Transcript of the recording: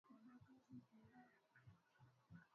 uwa akifwatilia taarifa hiyo kwa kina na hii hapa taarifa yake